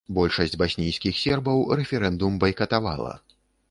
Большасць баснійскіх сербаў рэферэндум байкатавала.